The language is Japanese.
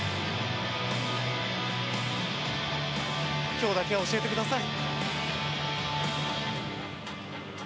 今日だけ教えてください。